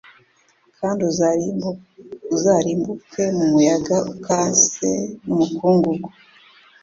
Kandi uzarimbuke mu muyaga ukase n Umukungugu